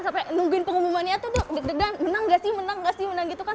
sampai nungguin pengumumannya tuh deg degan menang gak sih menang gak sih menang gitu kan